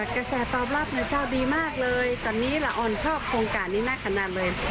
กระแสตอบรับเจ้าดีมากเลยตอนนี้ละออนชอบโครงการนี้มากขนาดเลย